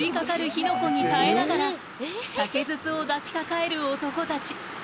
火の粉に耐えながら竹筒を抱きかかえる男たち。